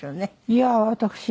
いや私